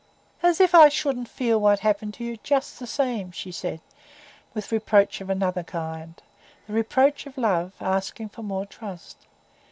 "As if I shouldn't feel what happened to you—just the same," she said, with reproach of another kind,—the reproach of love, asking for more trust.